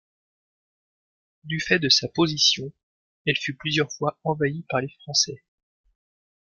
Du fait de sa position, elle fut plusieurs fois envahie par les Français.